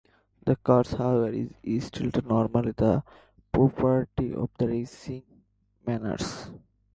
The church, however, is still nominally the property of the reigning monarch.